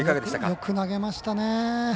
よく投げましたね。